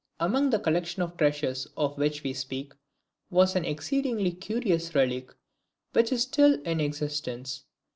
Among the collection of treasures of which we speak, was an exceedingly curious relic, which is still in existence.